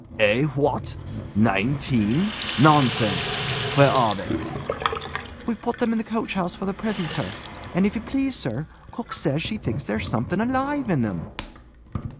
"Eh? What? Nineteen? Nonsense! Where are they?" "We've put them in the coachhouse for the present, sir. And if you please, sir, cook says she thinks there's something alive in them."